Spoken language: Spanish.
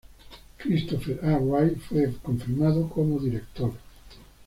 Christopher A. Wray fue confirmado como Director.